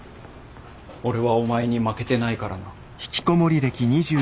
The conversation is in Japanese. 俺はお前に負けてないからな。